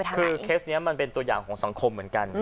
คือเคสนี้มันเป็นตัวอย่างของสังคมเหมือนกัน